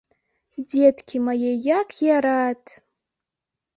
Дзеткі мае, як я рад!